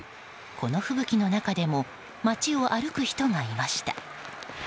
この吹雪の中でも街を歩く人がいました。